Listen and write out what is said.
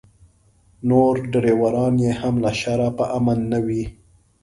نور ډریوران یې هم له شره په امن نه وي.